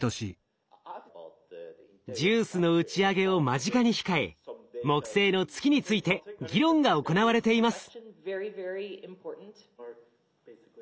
ＪＵＩＣＥの打ち上げを間近に控え木星の月について議論が行われています。